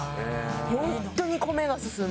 ホントに米が進む。